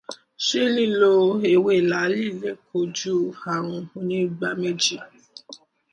Ṣé lílo ewé làálì lè kojú ààrùn onígbáméjì?